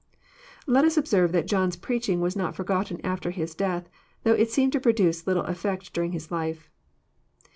Let us observe that John's preaching was not forgotten after his death, though it seemed to produce little efi'ect during his Ufe.